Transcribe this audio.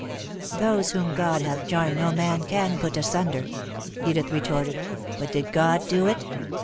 '" "Those whom God hath joined no man can put asunder," Edith retorted, "but did God do it?